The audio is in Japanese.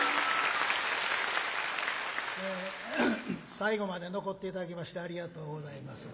最後まで残っていただきましてありがとうございます。